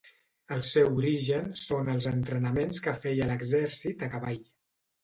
El seu origen són els entrenaments que feia l'exèrcit a cavall.